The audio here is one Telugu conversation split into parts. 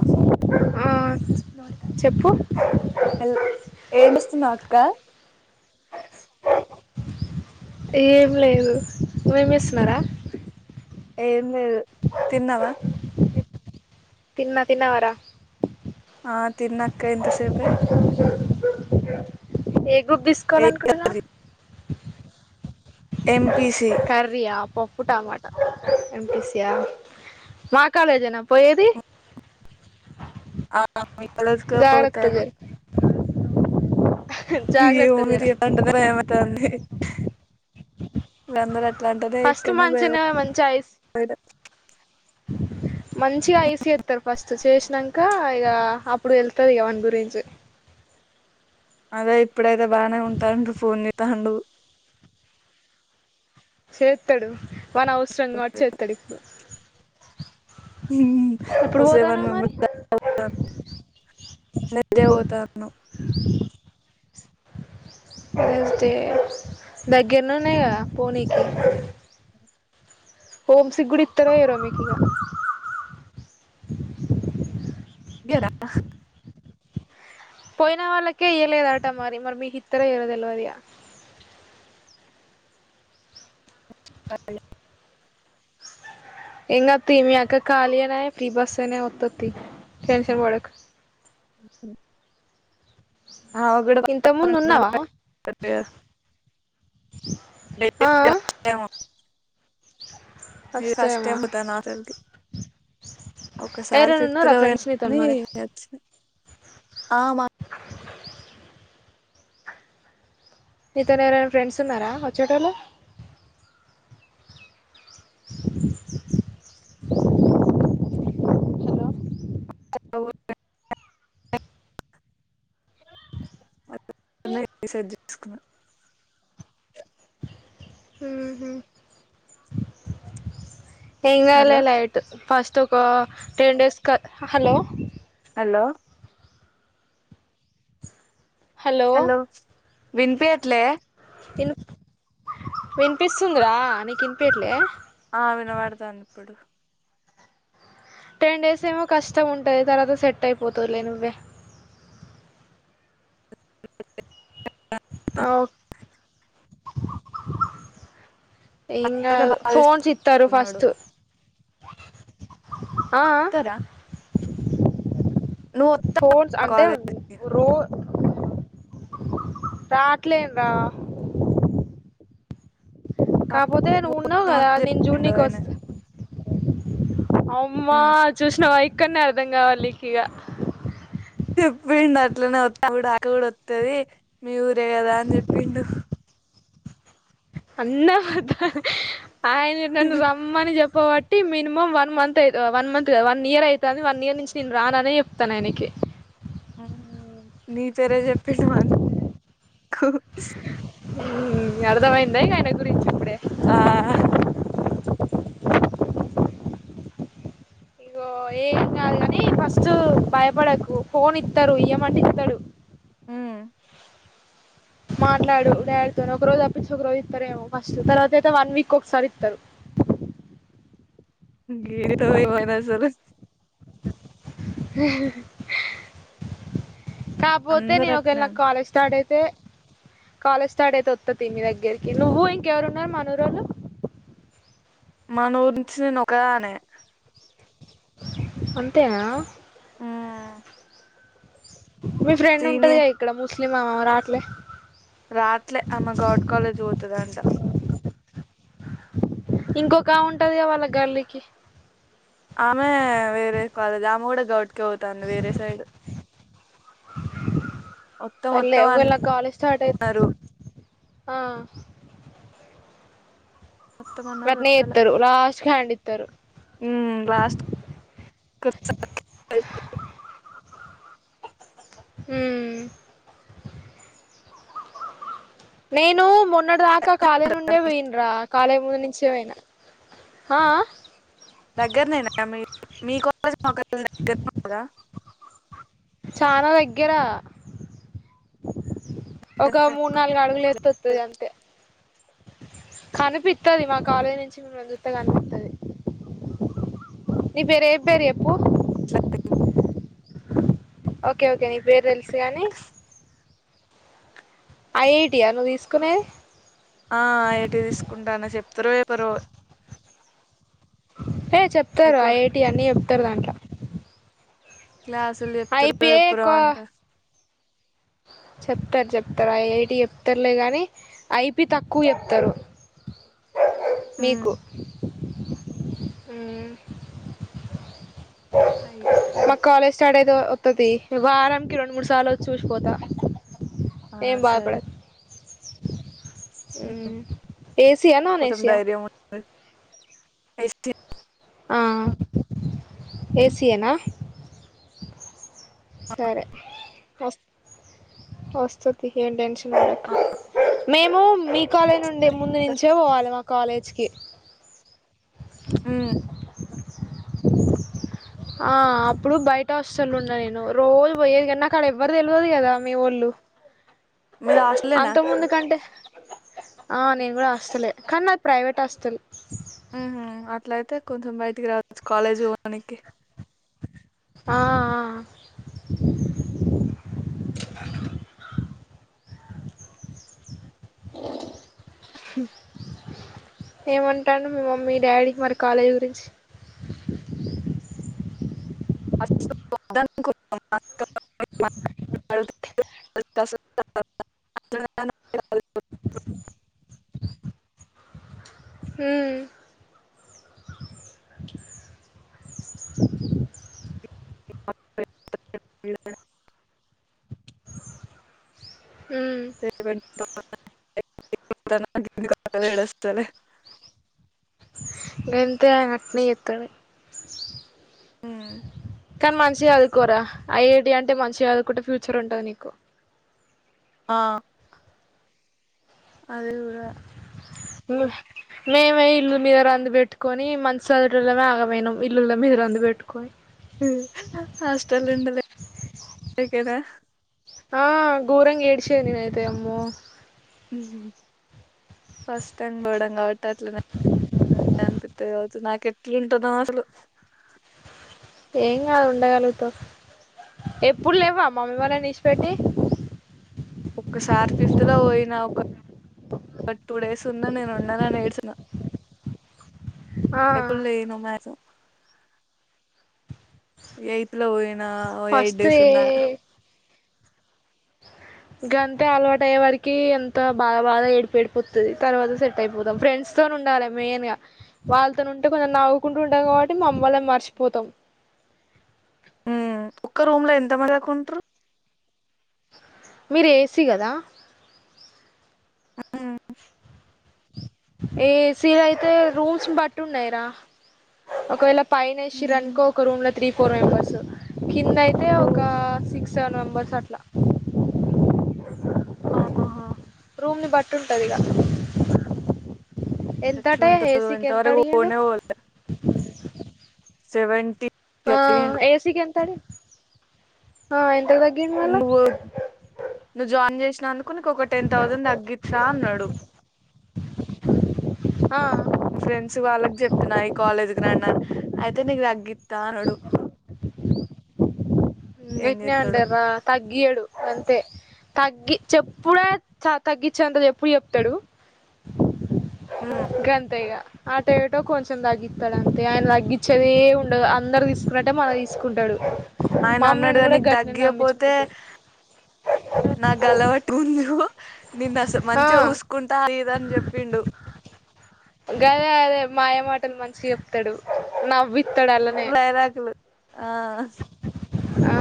ఆ ఆ సం చెప్పు హల్ ఏండస్తు నాక్క ఏమి లేదు మేమిేస్తున్నారా ఏం లెదు తన్నావా తిన్న తిన్న వార ఆ తిన్నక్క ఎంత సేపే ఏ గ్రూప్ తీసుకోవాలనుకుంటున్న వ్ ఎంపి సి కర్రీయా పప్పు టామాట ఎంపిసయా మా కాలేజనా పోయేది ఆ మి కలె జ్కె జాగ్రత్త పొతను జర ఎ జాగ్రత్త జర ఊరి దాంటో ఏమంటారండి లందరు ఇట్లు అంటనే ఫస్ట్ యిక్కెన్న పోయిన మంచినే మంచి ఐస్ మంచిగా ఐస్ చేస్తారు ఫస్ట్ చేసినాంక ఇక అప్పుడు వెళ్తారు ఇక వాని గురించి అదే ఇప్పుడైతే బానే ఉంటా ఫోన్ చేస్తాండు చేస్తడు వాన అవసరం కాబట్టి చేస్తడు ఇప్పుడు హు హుమ్ ఎప్పుడు వసె వన్ పోతాన్నావ్ మరి నదే పోతాను లేక్పో తె దగ్గరను ఉన్నాయి కదా పోనీకి హోమ్ సిక్ గుడ ఇతరో ఈయరో మికీగ ఇయరా పోయిన వాళ్ళకే ఇయలేదట మరి మరి మీ ఇత్తరో ఈయరో తెలవదిగా [unintelligible] ఏంగ తీ మీ అక్క ఖాళీయేనా ఫ్రీ బస్సేనే వత్తది తీయ్ టెన్షన్ పడకు ఉ ఊ ఆమకూడా ఇంతకు ముందు ఉన్నవా [unintelligible] లే ఆ ఆ [unintelligible] ఇగ ఫస్ట్ వస్తయేమో టైం పోతనాటల్కి ఒకసారి ఎవరైనా ఫిఫ్త్ ఉన్నరా ల పోయిన ఫ్రెండ్స్ నీతోని కని మరి ఇగ అచ్చిన ఆమ మీతోని ఏవరనా ఫ్రెండ్స్ ఉన్నరా వచ్చెటోలు [inaudible] [unintelligible] [unintelligible] మెసేజ్ చేసుకున్నా ఊహు ఏం గాదు లే హలో లైట్ ఫస్ట్ ఒక టెన్ డేస్క హలో హలో హలో వినిపియ్యట్లే తిను వినిపిస్తుందిరా నీకు ఇనిపియట్లే ఆ వినబడతుంది ఇప్పుడు టెన్ డేస్ ఏమో కష్టం ఉంటది తర్వాత సెట్ అయిపోతదిలే నువ్వే ఆ ఓ ఏం గాదు ఫోన్స్ ఇత్తరు బాధిస్తున్నాడు ఫస్ట్ ఆఆ వస్తారా నువ్వు వస్తావా ఫోన్స్ అంటే కాలేజ్కి రో రాట్లేం రా కాపోతే నువ్వున్నావు కదా నేను చెప్పిండు జూన్కి ఆయన వస్తే అమ్మా చూసినవ ఇక్కనే అర్ధం కావాలి నీకు ఇగ చెప్పిండు అట్లనే వత్ అక్క కూడా వత్తది మీ ఊరే కదా అని చెప్పిండు అన్నవద్దలే ఆయన నన్ను రమ్మని చెప్ పోబట్టి మినిమం వన్ మంత్ అ వన్ మంత్ వన్ ఇయర్ అవుతంది వన్ ఇయర్ నుంచి నేను రాననే చెప్తన ఆయనకి నీ పేరే చెప్పిండు మకు ఊ అర్థమైంద ఆయన గురించి ఇప్పుడే ఆ ఇగో ఏం గాదు గని ఫస్ట్ భయపడకు ఫోన్ ఇత్తారు ఇయమంటే ఇస్తరు ఊ మాట్లాడు డాడ్తో ఒక రోజు అప్పించి ఒక రోజు ఇస్తారేమో ఫస్ట్ తర్వాత అయితే వన్ వీక్ ఒకసారి ఇస్తరు గిడి ఓ ఏమైనా అసలు కాపోతే అందరు నేను ఓకేలా అట్నే నాకు కాలేజ్ స్టార్ట్ అయి తే కాలేజ్ స్టార్ట్ అయితే వస్త తియ్ మీ దగ్గరికి నువ్వు ఇంకెవరు ఉన్నారు మనూరోలు మన ఊర్నించి నేను ఒక దానే అంతేనా మ్మ్ మీ ఫ్రెండ్ సీని ఉంటదిగా ఇక్కడ ముస్లిం ఆమె ఆమె రావట్లే రాట్లే అమ గౌట్ కాలేజ్ పోతాదంట ఇంకొకామ ఉంటదిగా వాళ్ళ గల్లికి ఆమె వేరే కాలజ్ ఆమె కూడా గౌట్కే ఓతాంది వేరే సైడ్ వత్తం సర్ లే వత్తం ఒకవేళ కాలేజ్ స్టార్ట్ అయితే అన్నారు ఆ వత్తం అన్నారు వ్రాట్నే ఏతారు లాస్ట్కీ హ్యాండ్ ఇంతరు. ఉమ్ లాస్ట్ [inaudible] ఉహ్మ్ నేను మొన్నడి దాకా కాలే నుండే పోయిన్రా కాలేజ్ ముందు నుంచే పోయినా. హా ఆ దగ్గర నేనా మీ మీ కాలేజ్ మా కాలేజ్ దగ్గరే గా చానా దగ్గరా ఒక మూడు నాలుగు అడుగులు ఏతే వాతది అంతే కనిపిత్తాది. మా కాలేజీ నుంచి మిమ్మల్ని చూత్తే కనిపిత్తాది. నీ పేరు ఏం పేరు ఎప్ స్లాటిగ్ ఓకే ఓకే నీ పేరు తెలుసు గాని ఐఇటియా నువ్వు తీసుకునేద్ ఆ ఏటి తీసుకుంటానో చెప్తారో ఎపరో ఏ చెప్తరు ఐఐటి అన్ని చెప్తారు దాంట్లా క్లాసులు ఎప్తారో ఎప్పుడో అంట చెప్తార్ జేప్తారు ఐఐటి ఏప్తారులే గాని ఐపీ తక్కువ ఏప్తారు. మ్మ్ నీకు హుహ్ ఐపి దో వత్తది వారానికి రెండు మూడు సార్లు వచ్చి చూసపోతా ఆ సరే మ్మ్. ఉ ఏసియా నన్ ఏసియా ఎస్టీ ఆ ఆ ఏసీయేనా సరే వస్ వస్తాతియ్ ఎండెన్ష్ మీక్ మేము మీ కాలేజ్ నుండి ముందు నుంచే పోవాలి మా కాలేజ్కీ మ్మ్ ఆ అప్పుడు బయట అస్సలు ఉండా, నేను రోజు బోయేది గాని, నాక్ అడా ఎవ్వరు తెలువదు గదా మీవోళ్ళు. మీది హాస్టలేనా అంత అక్క ముందు కంటే ఆ నేను కూడా హాస్టలే, కానీ నాది ప్రైవేట్ హాస్టల్. హుహ్ అట్లైతే కొంచెం బయటికి రావచ్చు. కాలేజి వోనికి. ఆఆ ఆ హు్ ఏమంటాడు మీ మమ్మీ డాడీ మరి కాలేజీ గురించి [unintelligible] [unintelligible] హుహ్ [inaudible] [unintelligible] ఉమ్ హేవెన్ తో [unintelligible] ఏడస్తాలే గంతే ఆయనా అట్నే ఎప్తాడు హుహ్ కానీ మంచి అదువుకోరా ఐఐటి అంటే మంచిగా చదువుకుంటే ఫ్యూచర్ ఉంటది నీకు ఆహ్ అది ఉడా ముమ్ మీవే ఇల్లు మీద రంది బెట్టుకొని మంచి సదివేటోలమే ఆగమైనం ఇల్లుల మీద ఇరాందు బెట్టుకోయ్ టికెదా ఆ గోరంగా ఏడ్సేది నేనైతే అమ్మో ఉమ్ ఫస్ట్ టైం బడంగ కాబట్టి అట్లనే అనిపిత్తే కావచ్చు నాకు ఎట్లుంటదో అసలు ఏం కాదు ఉండగలుగుతావ్. ఎప్పుడ్లేవా మమ్మీ వాల్లని ఇడ్షిపెట్టి ఒక్కసారి ఫిఫ్త్ లో పోయినా ఒక ఒక టూ డేస్ ఉన్నా నేను ఉండను అని ఏడ్చిన ఆ ఎప్పుడ్లేను మ్యాక్స్ ఎయిత్ లో పోయి న ఓ ఏయిట్ ఫస్ట్ డేస్ ఏ ఉన్నా. గంతే అలవాటు అయ్యే వరికి ఎంత బాగా బాగా ఏడుపుఏడుపొత్తది తర్వాత సెట్ అయిపోతాం ఫ్రెండ్స్ తోనే ఉండాలి మెయిన్ గా వాళ్తోని ఉంటే కొంచెం నవ్వుకుంటూ ఉంటాం కాబట్టి మమ్మి వాళ్ళని మర్చిపోతాం. ఉమ్ ఒక్క రూమ్ లో ఎంత మంది దాకుంట్రు. మీరు ఏసీ కదా? ఆ ఏసీ అయితే రూమ్స్ బట్టి ఉన్నాయ్ రా ఒకవేళ పైన వేషిర్రు అనుకో ఒక రూమ్ లో త్రీ ఫోర్ మెంబర్స్ కింద అయితే ఓ ఒక సిక్స్ సెవెన్ మెంబర్స్ అట్లా ఆహా రూమ్ ని బట్టి ఉంటదిగా. ఎంతటా ఎట్లుంటదో ఏసికి ఎంత ఇంతవరకు అడిగిండు. పోనే పోలే సెవెంటీ ఆ అడిగిండు ఏసి కి ఎంతడి ఆ ఎం నువ్వు నువ్వు జాయిన్ జేసినాను కొని ఒక టెన్ థౌసండ్ తగ్గిస్తా అన్నాడు. ఆ ఫ్రెండ్స్ వాళ్ళకి జెప్తున్నా ఈ కాలేజ్ కి రాండి అని అయితే నీకు తగ్గిత్తా అన్నాడు. ఏం వెట్నే చేత్తడో అంటార్ర తగ్గీయడు అంతే. తగ్గి చెప్పుడే త తగ్గించ్చేంత చెప్పు చెప్తాడు. గంతే ఇగా అటొ యటో కొంచెం తగ్గిత్తాడు అంతే ఆయన తగ్గిచ్చేదే ఏమి ఉండదు అందరు తీసుకున్నట్టే మనకు తీసుకుంటాడు. ఆయన అన్నాడు మమ్ములను గాని కూడా నీకు గట్నే నమ్మిచ్చి తగ్గియపోతే చేశాడు. నా గలవట్ ఉందు నిన్ను అస మంచిగా ఆ చుసుకుంటా అది ఇది అని చెప్పిండు. గదే అదే మాయ మాటలు మంచిగా చెప్తాడు నవ్వి లైలాకులు ఆ ఆ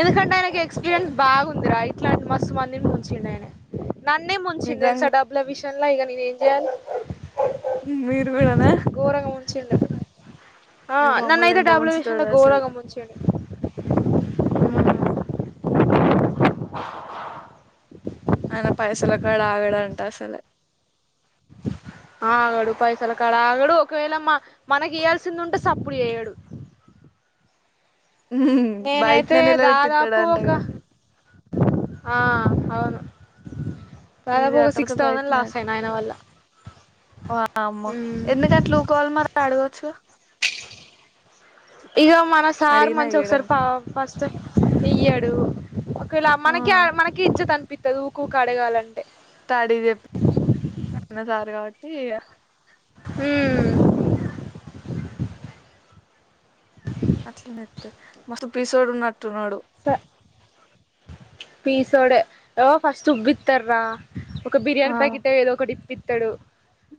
ఎందుకంటే ఆయనకి ఎక్స్పీరియన్స్ బాగుంది రా ఇట్లాంటి మస్తు మందిని ముంచ్చిడాయనే నన్నే ముంచిండ్ తెల్సా నిజంగా డబ్ల విషయమ్లా ఇగ నిన్ను జల్ మీరు గుడానా? ముంచిండు ఆ నన్నయితే ఎంత డబ్ల విషయంలా ముంచుతాడో అసలు గోరంగా ముంచిండు. ఉమ్ ఆయన పైసలకాడ ఆగడంట అసలే [inaudible] ఆగడు పైసలు కాడ ఆగడు ఒకవేళ మా మనకు ఇయాల్సింది ఉంటే సప్పుడు చెయ్యడు. [inaudible] ఉమ్ నేనైతే బయటనే దాదాపు ఒక నిలబెట్టిత్తాడంటగా ఆ అవును ఫీజు దాదాపు ఒక కట్టపోతే సిక్స్ థౌసండ్ బయటనే లాస్ అట అయిన ఆయన వల్ల వామ్మో మ్మ్ ఎందుకు అట్లుఊకోవాలి మరి అడగవచ్చు. ఇగ మన సార్ అడిగినా మంచి ఒకసారి ఫ ఇయ్యడనుకో ఫస్ట్ ఇయ్యాడు ఒకవేళ ఆ మనకి మనకి ఇజ్జద్ అనిపిత్తది ఊకూక అడగాలం తాడి చెప్పి ఉన్నసారు కాబట్టి హ్మ్మ్ అట్లానే చేతడు మస్తు పీసోడు ఉన్నట్టు ఉన్నడు పీసోడే ఫస్ట్ ఉబ్బితడ్రా ఒక ఆ బిర్యానీ ప్యాకెటో ఏదో ఒకటి ఇప్పిత్తడు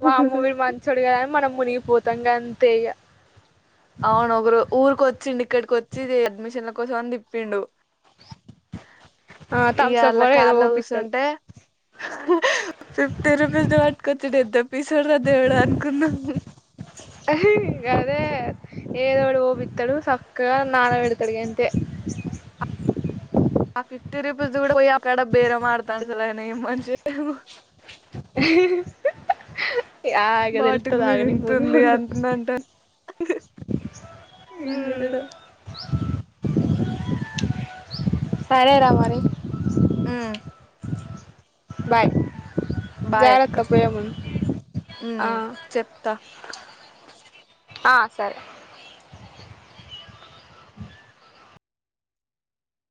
వామో వీడు మంచోడు కాదు అని మనం మునిగిపోతాం గంతే ఇగ అవును ఒకరు ఊరికొచ్చిండు ఇక్కడికి ఒచ్చి అడ్మిషన్ల కోసం అని తిప్పిండు ఆ ఇగ ఆళ్ళ తంస్సపో ఏదో కార్ లో పోపిత్తడు కూసుంటే ఫిఫ్టీ రూపీస్ పట్టుకొచ్చుండే ఎంత పీసోడురా దేవుడా అనుకున్నం అ ఇగ అదే ఏదోటి పోపిత్తడు చక్కగా నానబెడతడు ఇగ అంతే ఆ ఫిఫ్టీ రూపీస్ది కూడా పోయి అక్కడ బేరం ఆడతాండు అసలు అయన ఏం మనిషో ఏమో ఆగే బాటిల్ మీద తెల్తుదాగే నీకు ముందు ఇంతుంది ముందు అంతుంది అంటాండు ఏం చేస్తాడో హ్మ్ సరేరా మరి హ్మ్ భాయ్ బాయ్ అక్క జాగ్రత్త పోయేముందు ఆ ఉమ్ చెప్తా ఆ సరే